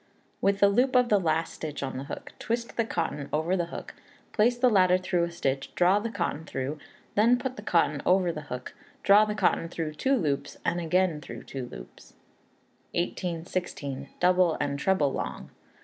With the loop of last stitch on the hook, twist the cotton over the hook, place the latter through a stitch, draw the cotton through, then put the cotton over the hook, draw the cotton through two loops, and again through two loops. 1816. Double and Treble Long.